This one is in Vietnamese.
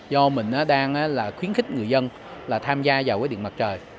do mình đang là khuyến khích người dân là tham gia vào cái điện mặt trời